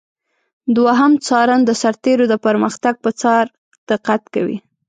دوهم څارن د سرتیرو د پرمختګ پر څار دقت کوي.